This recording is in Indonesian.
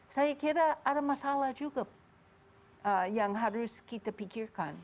saya kira ada masalah juga yang harus kita pikirkan